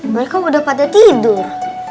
mereka udah pada tidur